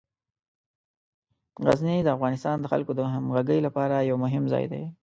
غزني د افغانستان د خلکو د همغږۍ لپاره یو مهم ځای دی.